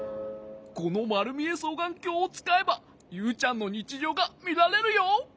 このまるみえそうがんきょうをつかえばユウちゃんのにちじょうがみられるよ。